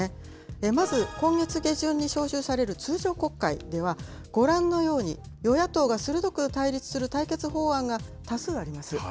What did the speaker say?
まず今月下旬に召集される通常国会では、ご覧のように、与野党が鋭く対立する対決法案が多数あります。